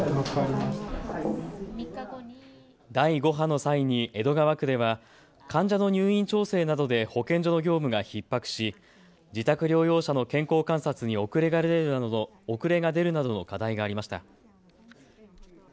第５波の際に江戸川区では患者の入院調整などで保健所の業務がひっ迫し自宅療養者の健康観察に遅れが出るなどの課題がありました。